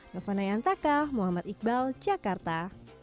nufana yantaka muhammad iqbal jakarta